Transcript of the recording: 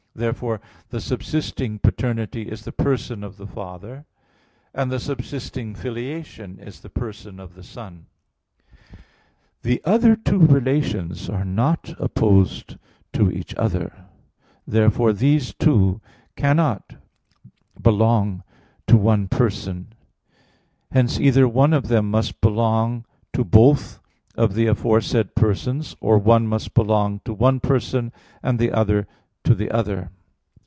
Therefore the subsisting paternity is the person of the Father; and the subsisting filiation is the person of the Son. The other two relations are not opposed to each other; therefore these two cannot belong to one person: hence either one of them must belong to both of the aforesaid persons; or one must belong to one person, and the other to the other.